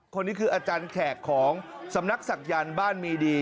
คนนี้คืออาจารย์แขกของสำนักศักยันต์บ้านมีดี